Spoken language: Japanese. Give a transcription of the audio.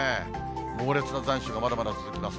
猛烈な残暑がまだまだ続きます。